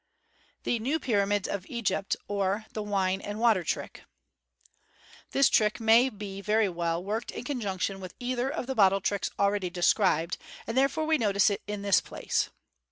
The New Pyramids op Egypt, or the Wine and Water Trick. — This trick may be very well worked in conjunction with either of the bottle tricks already described, and we therefore notice it in this place.